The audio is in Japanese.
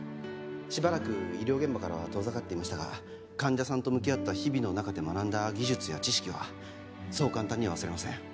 しばらく医療現場からは遠ざかっていましたが患者さんと向き合った日々の中で学んだ技術や知識はそう簡単には忘れません